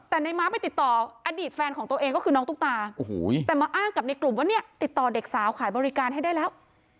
แต่ในม้าไปติดต่ออดีตแฟนของตัวเองก็คือน้องตุ๊กตาแต่มาอ้างกับในกลุ่มว่าเนี่ยติดต่อเด็กสาวขายบริการให้ได้แล้ว